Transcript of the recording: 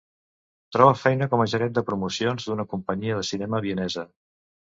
Trobà feina com a gerent de promocions d'una companyia de cinema vienesa.